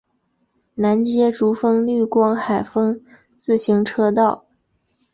南接竹风绿光海风自行车道。